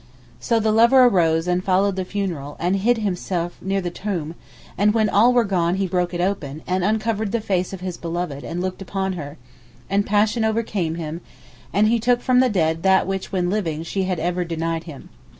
So the lover arose and followed the funeral, and hid himself near the tomb, and when all were gone he broke it open, and uncovered the face of his beloved, and looked upon her, and passion overcame him, and he took from the dead that which when living she had ever denied him.